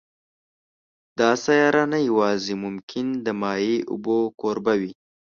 دا سیاره نه یوازې ممکن د مایع اوبو کوربه وي